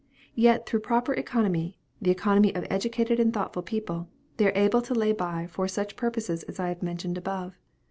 Yet through proper economy, the economy of educated and thoughtful people, they are able to lay by for such purposes as I have mentioned above.